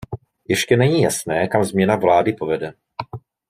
Ještě není jasné, kam změna vlády povede.